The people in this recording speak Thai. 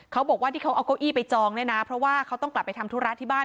เขาบอกว่าที่เขาเอาเก้าอี้ไปจองเนี่ยนะเพราะว่าเขาต้องกลับไปทำธุระที่บ้าน